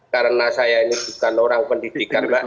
karena saya ini bukan orang pendidikan mbak